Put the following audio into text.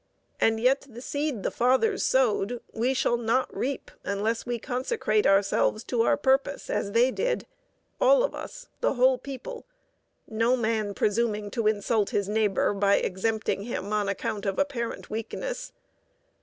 And yet the seed the Fathers sowed we shall not reap, unless we consecrate ourselves to our purpose as they did, all of us, the whole people, no man presuming to insult his neighbor by exempting him on account of apparent weakness.